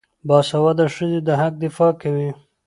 باسواده ښځې د حق دفاع کوي.